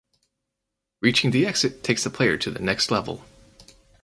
Reaching the exit takes the player to the next level.